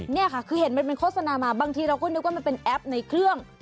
นี่ค่ะคือเห็นมันเป็นโฆษณามาบางทีเราก็นึกว่ามันเป็นแอปในเครื่อง